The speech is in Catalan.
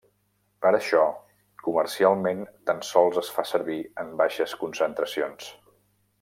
Per això, comercialment tan sols es fa servir en baixes concentracions.